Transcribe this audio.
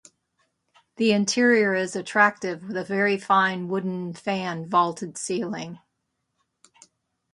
The interior is attractive with a very fine wooden fan vaulted ceiling.